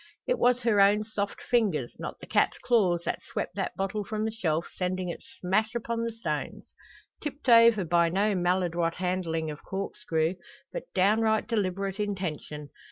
It was her own soft fingers, not the cat's claws, that swept that bottle from the shelf, sending it smash upon the stones! Tipped over by no maladroit handling of corkscrew, but downright deliberate intention!